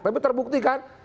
tapi terbukti kan